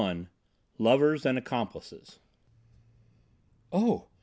XXXI LOVERS AND ACCOMPLICES "Oh!